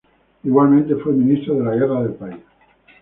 Igualmente, fue ministro de la Guerra del país.